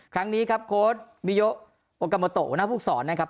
ครั้งนี้ครับโค้ดบิโยโอกาโมโตหัวหน้าภูมิสอนนะครับ